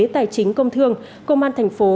tài chính công thương công an thành phố